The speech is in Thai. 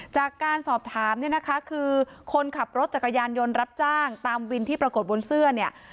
จากการสอบถามเนี่ยนะคะคือคนขับรถจักรยานยนต์รับจ้างตามวินที่ปรากฏบนเสื้อเนี่ย